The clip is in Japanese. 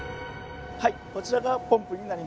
はいこちらがポンプになります。